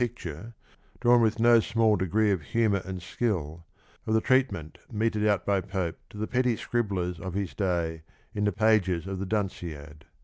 picture, drawn with no small degree of humour and skill, of the treatment meted out by Pope to the petty scribblers of his day in the pages of The Dunc'iad.